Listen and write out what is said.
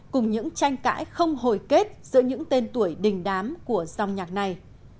cùng những tranh cãi không hồi kết giữa những tên tuổi đình đám của dòng nhạc này